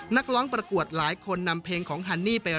นักร้องประกวดหลายคนนำเพลงของฮันนี่ไป